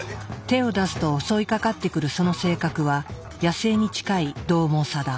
手を出すと襲いかかってくるその性格は野生に近い獰猛さだ。